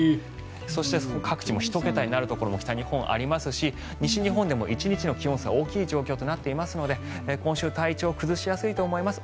そして各地も、１桁になるところ北日本ありますし西日本も１日の気温差大きい状況となっていますので今週体調崩しやすいと思います。